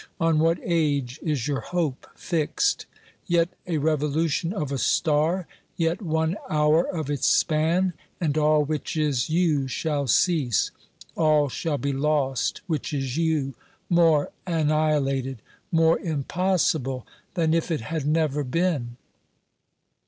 On what age is your hope fixed ? Yet a re volution of a star, yet one hour of its span, and all which is you shall cease ; all shall be lost which is you — more anni hilated, more impossible than if it had never been.